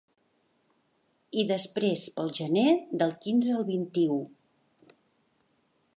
I després pel Gener, del quinze al vint-i-u.